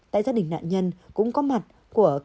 tại gia đình nạn nhân cũng có mặt của các cơ quan